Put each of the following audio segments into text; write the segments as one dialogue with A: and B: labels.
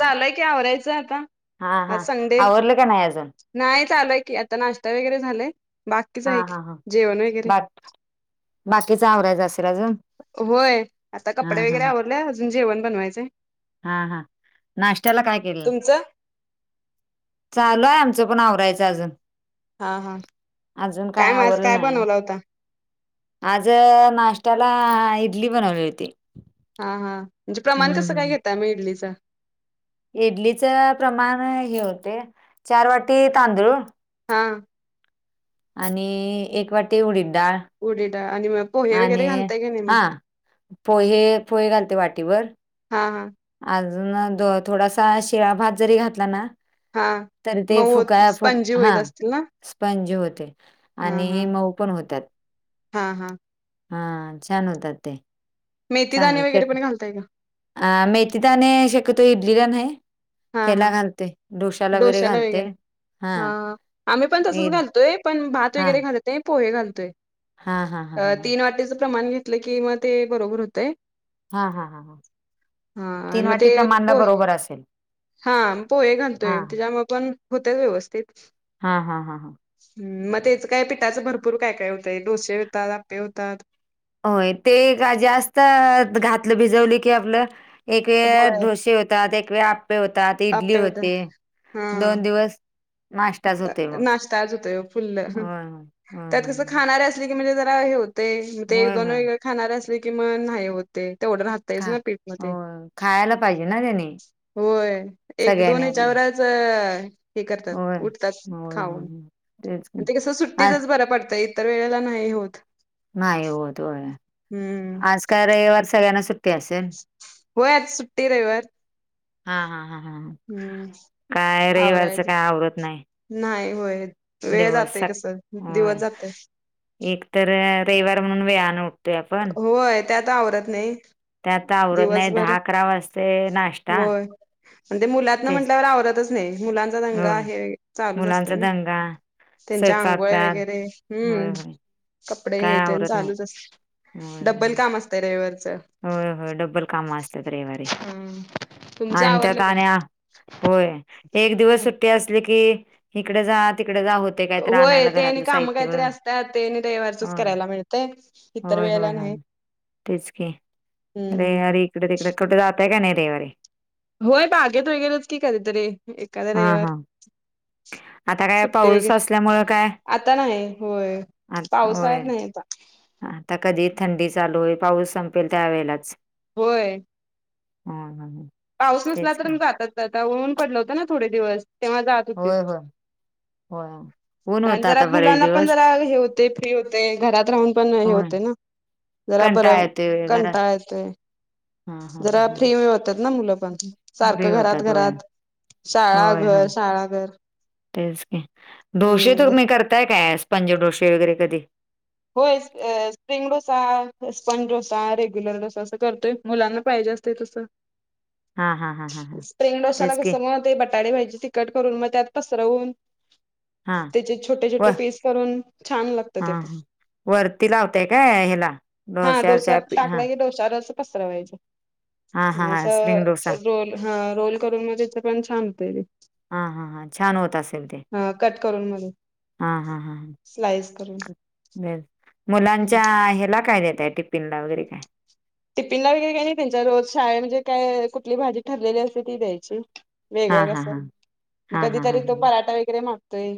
A: चालय की? आवरायचं आता.
B: हा हा
A: आज संडे
B: आवरल का नाही अजून.
A: नाही चालंय की आता. नाश्ता वगैरे झालाय. बाकीच
B: हा
A: आहे. की
B: हा
A: जेवण वगैरे
B: बाकीचा आवरायचं आसल.
A: होय आता कपडे
B: हा
A: वगैरे आवरले. अजून जेवण बनवायचंय.
B: हा हा नाश्त्याला काय केलं.
A: तुमचं
B: चालू आहे आमचं पण आवरायचं अजून.
A: हा हा
B: [inaudible] अजून काय
A: मग आज
B: आवरलं नाही.
A: बनवला होता
B: आज नाष्ट्याला इडली बनवली होती.
A: हा हा म्हणजे प्रमाण
B: हम्म
A: कसं काय
B: हम्
A: घेताय? मग इडलीचा
B: इडलीच प्रमाण हे होते. चार वाटी तांदूळ
A: हा
B: आणि एक वाटी उडीद डाळ.
A: उडीद दाळ आणि मग पोहे
B: आणि
A: वगैरे घालताय की नाही मग
B: हा पोहे, पोहे घालते वाटी भर.
A: हा हा
B: अजून थोडासा शिळा भात जरी घातला ना
A: हा
B: तर ते
A: मग होत
B: फुकाया फुक
A: स्पंजी
B: हा
A: होत असतील ना
B: स्पंजी होते.
A: हा
B: आणि
A: हा
B: हे मऊ पण होतात.
A: हा हा
B: हा छान होतात ते.
A: मेथीदाणे
B: चांगल ते
A: वगैरे पण घालताय का
B: अ मेथी दाणे शकतोर इडलीला नाही.
A: हा हा
B: ह्याला घालते डोश्याला वगैरे घालते.
A: हां हां आम्ही पण
B: ए
A: तसच घालतोय. पण भात
B: हां,
A: वगैरे घालत ते पोहे घालतोय
B: हां, हां, हां,
A: अ
B: हां,
A: तीन वाटीच प्रमाण घेतलं की म ते बरोबर हुतय.
B: हां हां हां हां
A: हा
B: [inaudible] तीन वाटी प्रमाणला बरोबर असेल.
A: हां पोहे घालतोय
B: हां,
A: तेच्यामुळ पण हुतय व्यवस्थित.
B: हां, हां, हां, हां.
A: हम् म त्येच काय पिठाचं भरपूर काय काय हुतंय डोसे होतात, आप्पे होतात.
B: होय ते का जास्त घातलं. भिजवल की आपलं एक वेळ
A: होय
B: ढोसे होत. त्यात एक वेळ आप्पे होतात. इडली
A: आप्पे होतात
B: होते.
A: हा
B: दोन दिवस नाश्ताच होतोय मग
A: नाश्ता आज होतोय फुल्ल
B: व्हय व्हय अहं.
A: ट्रीगमध्ये जरा हे होते ते एक
B: होय, होय,
A: दोन
B: होय.
A: वेगळे खाणारे असले कि मग नाही होत ते तेवढ राहत.
B: खा
A: तेचना पीठ मधे [inaudible]
B: होय, खायला पाहिजे ना त्यानी
A: होय. एक दोन
B: सगळ्यांनी आपल्या.
A: याच्यावर च हे करतात.
B: होय,
A: उठतात
B: होय, होय,
A: खाऊन
B: होय. तेच की.
A: [inaudible] ते कसं
B: आज
A: सुट्टीचच बरं पडतं. इतर वेळेला नाही होत.
B: नाही होत होय
A: हम्म
B: [inaudible] आज काय रविवार सगळ्यांना सुट्टी असेल?
A: [inaudible] होय आज सुट्टी रईवार.
B: हां हां हां हां हां [inaudible] काय रईवारच काय आवरत नाय.
A: न्हाई होय. वेळ जातोय कस दिवस
B: होय.
A: जातय?
B: एक तर रईवार म्हणून वेळान उठतोय आपण.
A: होय त्यात आवरत नई.
B: त्यात आवरत नाही
A: दिवसभर
B: दहा अकरा वाजते
A: [inaudible]
B: नाश्ता
A: होय अन् ते मुलातन म्हंटल्यावर आवरतच नई मुलांचा दंगा
B: होय
A: हे चालूच असतय
B: मुलांचा
A: ना.
B: दंगा
A: तेंच्या आंगोळ्या
B: स्वयंपाकपात
A: वेगैरे
B: होय
A: हम्म.
B: होय
A: कपडे
B: काय
A: हे तेन
B: आवरत नाही
A: चालूच असतय.
B: होय होय
A: डब्बल काम असतय रविवार च.
B: होय होय डब्बल काम आसत्यात रईवारी.
A: हम्म तुमचं
B: अन् त्यात
A: आवरलं
B: आणि
A: काय
B: आ होय एक दिवस सुट्टी असली की हिकड जा तिकड जा होत.
A: होय ते आणि काम कायतरी असत्यात तेन रईवारचच
B: होय
A: करायला मिळतय इतर
B: होय होय
A: वेळेला न्हाई.
B: होय तेच की रे अरे इकड तिकड कुठ जातय का नाय रेईवारी?
A: होय बागेत वगेरेच की कधीतरी एखादा रईवार.
B: ह [inaudible] आता काय पाऊस असल्यामुळे काय?
A: आता नाही होय.
B: आत होय
A: पावसाळ्यात नाही आता
B: आता कधी थंडी चालू हुई पाऊस संपेल त्यावेेळेलाच.
A: व्हय.
B: हां हां हां.
A: पाऊस नसला तर म जातात आता ऊन पडल होत ना थोडे दिवस तेंव्हा जात होते.
B: होय होय व्हय.
A: आणि जरा मुलांना पण जरा हे हुतय फ्री हुतय घरात राहून पण हे
B: होय
A: होतय ना. जरा बर
B: कंटाळा
A: कंटाळा येतोय.
B: हां हां.
A: जरा फ्री होत्यात ना मुलं. पण सारक
B: फ्री
A: घरात
B: होतात होय
A: घरात शाळा
B: होय होय
A: घर शाळा घर.
B: तेच की ढोशे
A: हम्म
B: तुमी करताय काय स्पंज डोशे वगैरे कधी?
A: होय अ spring dosa, sponge dosa, regular dosa असं करतोय मुलांना पाहिजे अस ते तस
B: हा हा हा हा हा
A: स्प्रिंग डोशाला
B: तेच की
A: कसं म ते बटाडे भाजी तिकट करून म त्यात पसरवून
B: हा
A: तेचे छोटे
B: व
A: छोटे पीस करून छान लागत
B: हा
A: ते पण.
B: ह वरती लावताय काय अ हेला?
A: हां डोश्यात टाकला की डोश्यावरच अस पसरवायचं.
B: हा हा
A: आणि
B: हा स्प्रिंग
A: अस
B: डोसा
A: रोल हा रोल करून म जेच पण छान हुतय ते.
B: हा हा हा छान होत असेल ते
A: हां कट करून मधे स्लाइस करून.
B: ब
A: हम्म.
B: मुलांच्या ह्याला काय देताय टिफिन ला वगैरे काय?
A: टिफिन ला वगैरे काही नाही त्यांच्या रोज शाळेेत म्हणजे काय कुठली भाजी ठरलेली असते ती द्यायची.
B: हा
A: वेगळं
B: हा
A: कस
B: हा
A: म
B: हा हा हा
A: कधीतरी तो पराठा वगैरे मागतोय.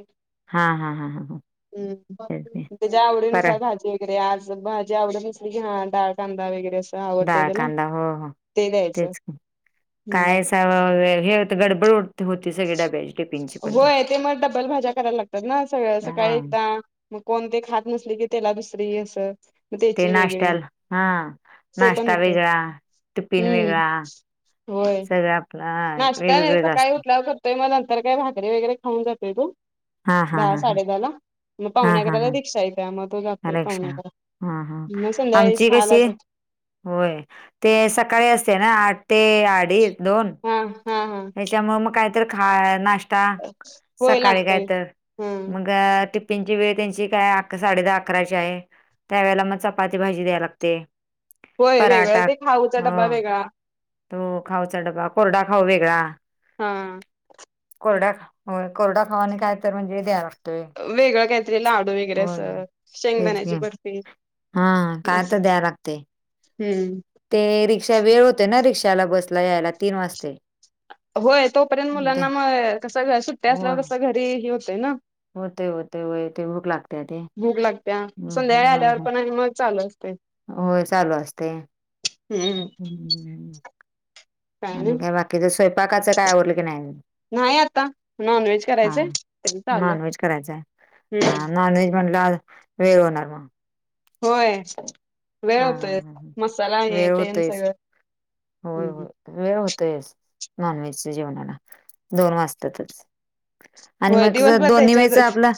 B: हा हा हा हा हा.
A: हम्म
B: तेच की
A: त्याच्या
B: परा
A: आवडीनुसार भाजी गैरे आज भाजी आवडसली की ह डाळ कांदा वगैरे अस.
B: डाळ कांदा हो हो
A: द्यायचं
B: तेच की.
A: हम्म
B: कायच हे होतं गडबड उ
A: होय ते मग डब्बल भाज्या करायला लागतात ना सगळ
B: हा.
A: सकाळी एकदा. मग कोणते खात नसले की त्याला दुसरी असं. म
B: ते
A: तेची वेगळी
B: नाश्त्याला हा
A: ते पण
B: नाश्ता
A: हुतय
B: वेगळा टिफिन
A: हम्म.
B: वेगळा
A: व्हय.
B: सगळं आपल आ
A: नाष्टा नाई सकाळी उठल्याव कर ते म नंतर काय भाकरीे वगैरे खाऊन जातोय तो
B: हा हा
A: धा
B: हा हा
A: साडेधा ला. म
B: हा
A: पावणे
B: हा
A: आकरा
B: हा.
A: रिक्षा हाय. त्या म तो जातोय
B: परीक्षा
A: पावणे करा
B: हा हा
A: म संध्याकाळी
B: आमची
A: सहालाच
B: कशी
A: येतो.
B: होय ते सकाळी असते ना आठ ते अडी दोन.
A: हा हा हा
B: त्याच्यामुळे मग काहीतरी खाय नाश्त ता,
A: होय
B: सकाळी काय
A: लागतोय
B: तर.
A: हा
B: मग टि फींची वेळ त्यांची काय साडेदहा, अकराची आहे. त्यावेेळेला मग चपाती भाजी द्याय लागते.
A: होय, वेगवेगळं.
B: पराठा
A: ते खाऊचा डब्बा
B: हो
A: वेगळा.
B: तो खाऊचा डबा. कोरडा खाऊ वेगळा.
A: हा.
B: कोरड्या खा, होय कोरडा खाऊ आन काय तर म्हणजे द्यायं लागतंय.
A: वेगळं काय त हे लाडू वगैरे असं,
B: तेच
A: शेंगदाण्याची
B: की
A: बर्फी
B: हा काय तर
A: असं.
B: द्याय लागते.
A: हम्म.
B: ते रिक्षा वेळ होते ना रिक्षाला, बसला यायला तीन वाजते.
A: होय. तोपर्यंत मुलांना मग कसं, सुट्टी
B: होय.
A: असल्यावर कसं घरी हे होतय ना.
B: होते होते होय ते भूक लागते ते
A: भूक लागत्या. संध्याकाळी आल्यावर
B: ह
A: पण अ मग चालू असते.
B: होय, चालू असते.
A: हम्म
B: आणि काय बाकीच. स्वयंपाकाचं काय आवरलं की नाही आणि?
A: नाही आता. नॉनव्हेज करायचंय. तेच चालू आहे.
B: नॉनव्हेज करायचंय. हा,
A: हम्म
B: नॉनव्हेज म्हंटल्यावर, वेळ होणार मग.
A: होय, वेळ होतोय.
B: हा
A: मसाला हे
B: वेळ
A: तेन
B: होतोयच
A: सगळं.
B: होय होय वेळ होतोयच, नॉनव्हेजच्या जेवणाला. दोन वाजतातच. आणि
A: होय
B: मग ज
A: दिवसभर
B: दोन्ही वेळेच
A: त्याच्यातच
B: आपलं.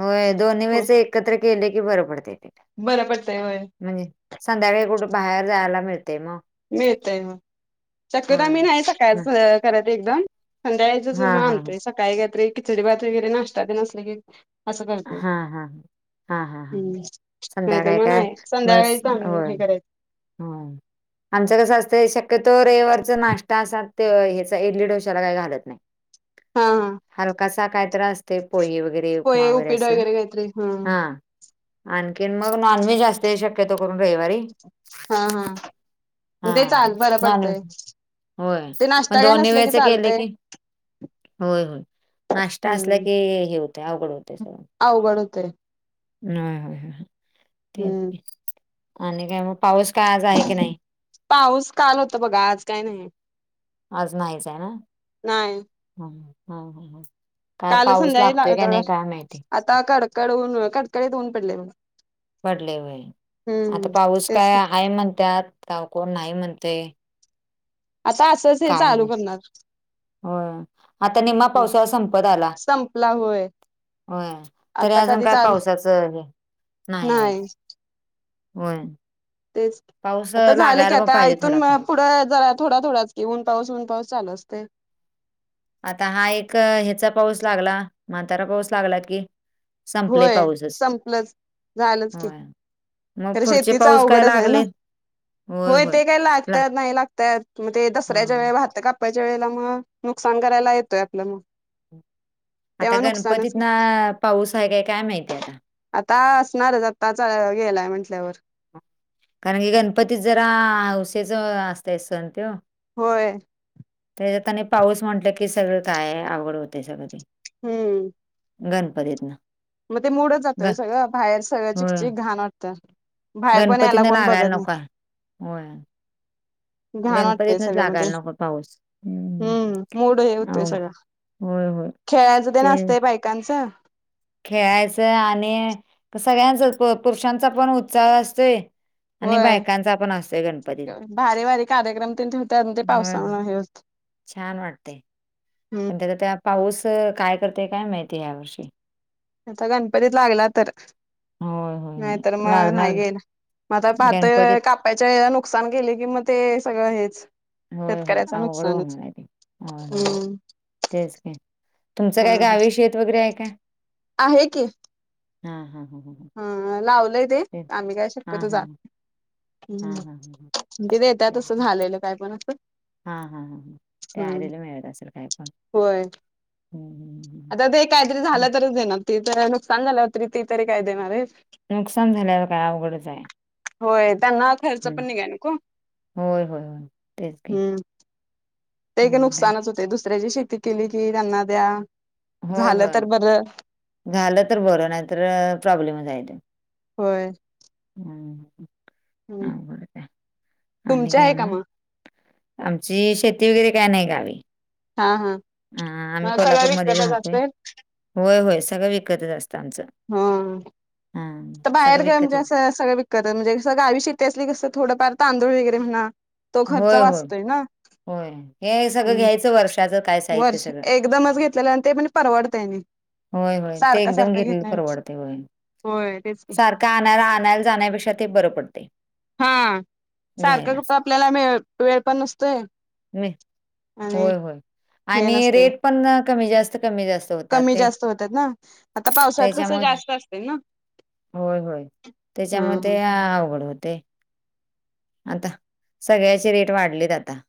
B: होय, दोन्ही वेळच एक कत्र केले कि बर पडते ते.
A: बरं पडतय होय.
B: म्हणजे, संध्याकाळी कुठे बाहेर जायला मिळते मग.
A: मिळतय मग. शक्यतो आम्ही
B: होय
A: नाही सकाळच करत एकदम. संध्याकाळच
B: हा
A: म्हणून
B: हा
A: आणतोय, सकाळी काहीतरी किचडी, भात वगैरे नाश्ता ते नसले की. असं
B: हा..
A: करतोय
B: हा. हा.. हा.. हा.
A: हम्म नाहीतर
B: संध्याकाळी
A: मग
B: काय
A: नाही
B: मस्त,
A: संध्याकाळीच
B: हो
A: आम्ही हे करायचं
B: हम. आमचं कसं असतंय, शक्यतो रविवारचा नाश्ता असाच. त्यो ह्याचा इडली, डोश्याला काही घालत नाही.
A: हा हा
B: हलकासा कायतरी असते, पोहे वगैरे.
A: पोहे
B: मावर
A: उपीट
B: असं.
A: वगैरे काहीतरी
B: हा. आणखीन मग नॉनव्हेज असतंय शक्यतो करून रविवारी.
A: हा.. हा.
B: हा
A: ते चाल बरं
B: नॉन,
A: पडतंय
B: होय.
A: ते
B: पण
A: नाश्ता काय
B: दोन्ही
A: नसलं
B: वेळचे केले
A: चालतंय
B: की होय.. होय. नाश्ता असला
A: हम्म
B: की हे होते, अवघड होते सगळं.
A: अवघड होतंय.
B: नाय हाय, ते
A: हम्म
B: आणि काय मग? पाऊस काय आज आहे की नाही?
A: पाऊस काल होता बघा, आज काय नाही.
B: आज नाहीच आहे ना?
A: नाही
B: ह. काय
A: काल
B: पाऊस
A: संध्याकाळी
B: लागतोय
A: लागला
B: का
A: तेवढा
B: नाही, काय माहितीय.
A: आता कडकड उन, कडकडीत उन पडले बघ.
B: पडले होय. आता पाऊस
A: तेच
B: काय
A: की
B: आहे म्हणतात का कोण नाही म्हणते.
A: आता असंच हे
B: काय
A: चालू
B: नाही
A: करणारं.
B: होय, आता निम्मा पावसाळा संपत आला.
A: संपला हो.
B: होय तरी अजून काय
A: चाल
B: पावसाच हे नाही. होय.
A: तेच
B: पाऊस
A: आता झालं की
B: लागायला पण
A: आता
B: पाहिजे
A: इथून म.
B: थोडाफार
A: पुथढं जरा थोडा थोडाच क ऊनऊस ऊन पाऊसचाल असते.
B: आता हा एक ह्याचा पाऊस लागला म्हातारा पाऊस लागला की. संपले
A: होय
B: पाऊसच
A: संपलंच झायलच क.
B: होय मग
A: तर
B: पुढचे
A: शेतीच
B: पाऊस काय
A: अवघडच आहे
B: लागले
A: ना. होय ते काही
B: ला
A: लागतात नाही लागतात ते दसऱ्याच्या
B: होय.
A: वेळळी वाहत का. बापाच्या वेळेला मग नुकसान करायला येतोय आपलं म.
B: आता गणपतीत
A: की
B: ना पाऊस आहे काय काय माहितीय आता.
A: आता असणारच आता गेलाय म्हंटल्यावर.
B: कारण की गणपती जरा हौसेच असतय सण ते.
A: होय.
B: त्याच्या त्यांने पाऊस म्हटलं की सगळं काय आवड होते सगळ.
A: हम्म.
B: गणपतीत ना.
A: मग ते मोडत जातं सगळं बाहेर सगळं
B: होय
A: चिकचिक घाण वाटत. तर बाहेर पण यायला
B: गणपतीनं
A: कोण
B: लागायला
A: बघत नाही.
B: नको आहे. होय
A: घण वाटतय
B: गणपतीतनच
A: सगळ्या म
B: लागायला नको पाऊस.
A: हम्म मोड हे होतय
B: अवघ
A: सगळं.
B: होय होय
A: खेळायचं ते नसतय बायकांचं.
B: खेळायचं आणि सगळ्यांच पुरुषांचा पण उत्साह असतोय. आणि
A: होय
B: बायकांचा पण असतोय गणपतीला
A: भारी भारी कार्यक्रम ते ठेवतात ते
B: हम ह.
A: पावसामुळे हे होत
B: छान वाटते
A: हम्म
B: पण त्याचा त्या पाऊस काय करते काय माहितीय यावर्षी.
A: आता गणपतीत लागला तर.
B: होय होय होय
A: नाहीत मग
B: लागणार
A: नाही गेल म आता पाहत
B: गणपती
A: काप. नुकसान केले कि म ते सगळं हेच.
B: होय होय
A: शेतकऱ्याचं
B: अवघड
A: नुकसानच
B: होणार आहे ते होय होय.
A: हम्म.
B: तेच काय तुमचं काय
A: हा
B: गावी शेत वगैरे आहे का.
A: आहे की.
B: हा हा हा हा ह.
A: हा लावलंय ते आम्ही काय
B: हा
A: शक्यत
B: हा
A: जा.
B: हा
A: हम्म
B: हा ह
A: तिेत
B: तेच
A: तसं
B: की.
A: झालेलं काय पण असं.
B: हा हा ह ते
A: हम्म
B: आलेला मिळत असेल काय पण.
A: होय
B: हम्म हम्म हम्म
A: आता ते काहीतरी झालं
B: हम्म.
A: तरच देणार. ति ज नुक सांगाला होतरी ती तरी काय देणार आहे.
B: नुकसान झाल्यावर काय अवघडच आहे
A: होय त्यांना खर्च
B: हम्म.
A: पण निघा नक.
B: होय होय होय तेच घी.
A: ते का नुकसानच होते दुसऱ्याची शेती केली कि त्यांना द्या.
B: होय होय झालं तर बरं नाही तर प्रॉब्लेमचयच.
A: होय.
B: हम अकड का अन
A: तुमचे आहे का
B: कायम.
A: मग?
B: आमची शेती वगैरे काय नाही गावी.
A: हा हा
B: अ आम्ही
A: म सगळ्या
B: कोल्हापूरमध्येच राहतोय
A: विकतचातत.
B: होय होय सगळं विकतच असतं आमचं.
A: हा
B: हा सगंळ विकत
A: सगंळ विकत म्हणजे गावी शेतीे असली कस थोडफार तांदूळ वगैरे म्हणा तो खर्च
B: होय, होय.
A: वाचतोय ना
B: होय. हे सगळं
A: हम्म
B: घ्यायचं वर्षाचं काय साहित्य
A: वर्ष
B: सगळं.
A: एकदमच घेतलेलं ते पण परवडतयनी
B: होय, होय. ते
A: सारखं
B: एकदम
A: सारखं
B: घेतलेलं
A: घेतन्या पेक्षा नाही होय तेच
B: का आणाला आणायला जाण्यापेक्षा ते बरं पडतय
A: हा सारखं कुठ आपल्याला वेळ पण नसतोय.
B: नाही,
A: आणि
B: होय होय.
A: हे
B: आणि
A: नसतय
B: रेट पण कमी जास्त कमी जास्त होतात
A: कमी
B: ते
A: जास्त होतात ना आता पावसात कसं
B: त्याच्यामुळे
A: जास्त असत ना
B: होय होय, त्याच्यामुळ
A: हम्म
B: ते अवघड होतय. आता सगळ्याचे रेट वाढलेत आता